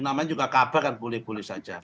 namanya juga kabar kan boleh boleh saja